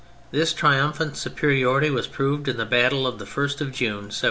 This triumphant superi ority was proved in the battle of the 1st of June, 1794.